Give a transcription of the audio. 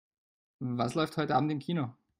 Was läuft heute Abend im Kino?